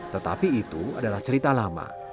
tetapi itu adalah cerita lama